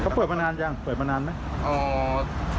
เขาเปิดมานานยังเปิดมานานไหม